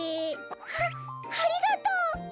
あありがとう！